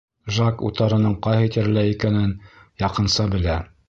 Жак утарының ҡайһы тирәлә икәнен яҡынса белә.